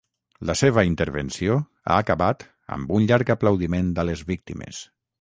La seva intervenció ha acabat amb un llarg aplaudiment a les víctimes.